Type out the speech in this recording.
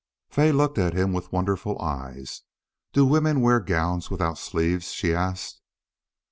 Fay looked at him with wonderful eyes. "Do women wear gowns without sleeves?" she asked.